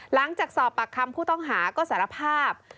หลังจากสอบปากคำผู้ต้องหาก็สารภาพ